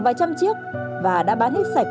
vài trăm chiếc và đã bán hết sạch